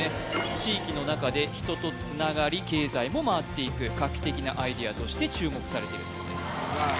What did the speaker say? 地域のなかで人とつながり経済も回っていく画期的なアイデアとして注目されているそうです